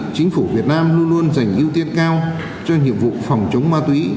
chính phủ việt nam luôn luôn dành ưu tiên cao cho nhiệm vụ phòng chống ma túy